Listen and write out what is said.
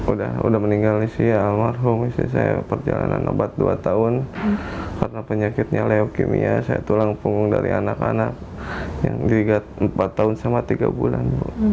udah meninggal di sini almarhum saya perjalanan obat dua tahun karena penyakitnya leukemia saya tulang punggung dari anak anak yang dilihat empat tahun sama tiga bulan